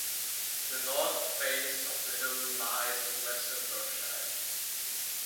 The north face of the hill lies in West Berkshire.